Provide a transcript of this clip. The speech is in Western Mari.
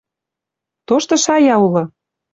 Тошты шая улы: